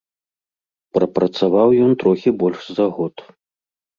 Прапрацаваў ён трохі больш за год.